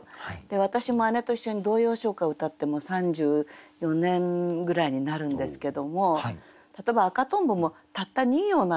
で私も姉と一緒に童謡唱歌歌ってもう３４年ぐらいになるんですけども例えば「赤とんぼ」もたった２行なんですワンコーラス。